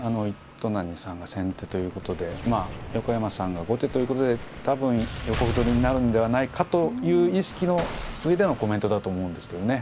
糸谷さんが先手ということで横山さんが後手ということで多分横歩取りになるんではないかという意識の上でのコメントだと思うんですけどね。